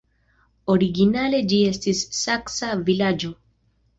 Originale ĝi estis saksa vilaĝo.